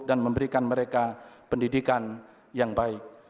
dan memberikan mereka pendidikan yang baik